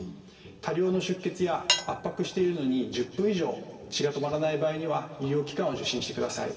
多量の出血や圧迫しているのに１０分以上血が止まらない場合には医療機関を受診してください。